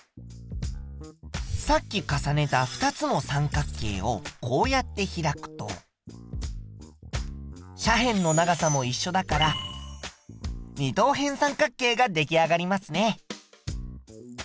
さっき重ねた２つの三角形をこうやって開くと斜辺の長さもいっしょだから二等辺三角形が出来上がりますね。